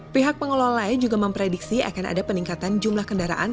pihak pengelola juga memprediksi akan ada peningkatan jumlah kendaraan